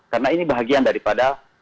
karena ini bagian daripada